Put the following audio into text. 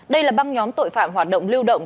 đây là băng nhóm tội phạm hoạt động lưu động